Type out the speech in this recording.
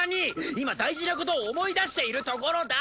今大事なことを思い出しているところだ！